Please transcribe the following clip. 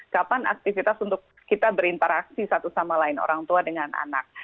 kapan aktivitas untuk kita berinteraksi satu sama lain orang tua dengan anak